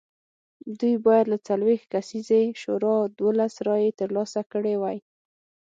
دوی باید له څلوېښت کسیزې شورا دولس رایې ترلاسه کړې وای